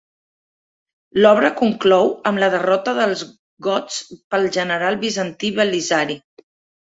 L'obra conclou amb la derrota dels gots pel general bizantí Belisari.